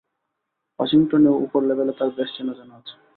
ওয়াশিংটনেও উপর লেভেলে তাঁর বেশ চেনা-জানা আছে।